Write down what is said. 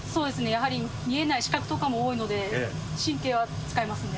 やはり見えない死角とかも多いので、神経は使いますね。